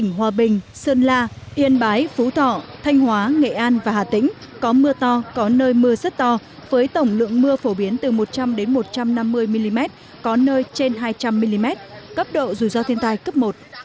nơi mưa rất to với tổng lượng mưa phổ biến từ một trăm linh đến một trăm năm mươi mm có nơi trên hai trăm linh mm cấp độ dù do thiên tai cấp một